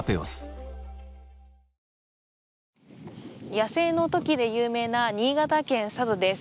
野生のトキで有名な新潟県・佐渡です。